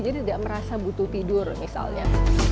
jadi dia tidak merasa butuh tidur misalnya